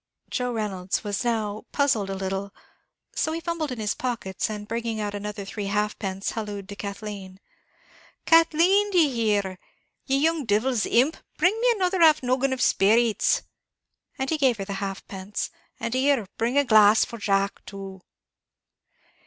Joe Reynolds was now puzzled a little, so he fumbled in his pockets, and bringing out another three halfpence, hallooed to Kathleen. "Kathleen, d'ye hear, ye young divil's imp! bring me another half noggin of speerits," and he gave her the halfpence; "and here, bring a glass for Jack too."